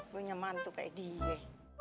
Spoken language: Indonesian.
gue nyemantu kaya dia